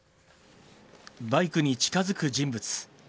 バイクに近づく人物。